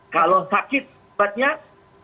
kalau sakit sempatnya cuma setengah